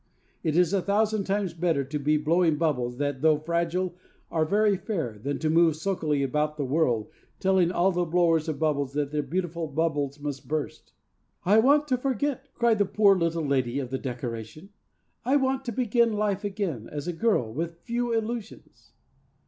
It is a thousand times better to be blowing bubbles that, though fragile, are very fair than to move sulkily about the world telling all the blowers of bubbles that their beautiful bubbles must burst. 'I want to forget!' cried the poor little 'Lady of the Decoration.' 'I want to begin life again as a girl with a few illusions!'